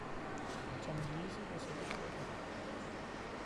Tommelise var så bedrøvet.